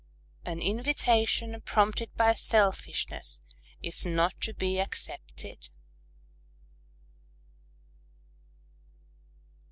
_An invitation prompted by selfishness is not to be accepted.